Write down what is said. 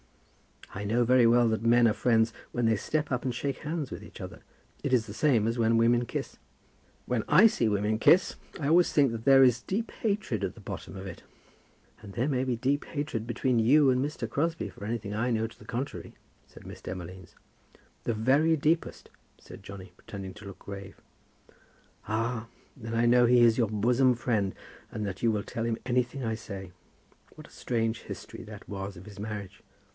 "I know very well that men are friends when they step up and shake hands with each other. It is the same as when women kiss." "When I see women kiss, I always think that there is deep hatred at the bottom of it." "And there may be deep hatred between you and Mr. Crosbie for anything I know to the contrary," said Miss Demolines. "The very deepest," said Johnny, pretending to look grave. "Ah; then I know he is your bosom friend, and that you will tell him anything I say. What a strange history that was of his marriage!"